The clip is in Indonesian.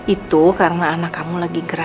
itu karena anak kamu lagi gerak